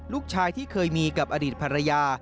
ลูกชายที่เคยมีกับอดีตภรรยา